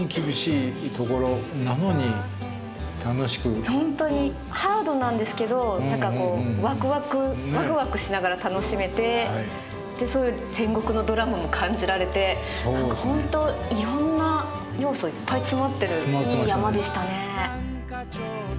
いやいやもうねハードなんですけど何かこうワクワクワクワクしながら楽しめて戦国のドラマも感じられて何か本当いろんな要素いっぱい詰まってるいい山でしたね。